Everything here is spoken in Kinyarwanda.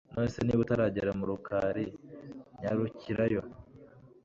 Nonese niba utaragera mu Rukari nyarukirayo